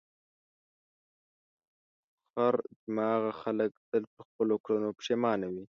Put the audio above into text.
خر دماغه خلک تل پر خپلو کړنو پښېمانه وي.